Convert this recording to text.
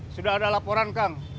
sudah ada laporan kang